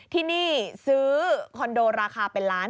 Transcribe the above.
ที่นี่ซื้อคอนโดราคาเป็นล้าน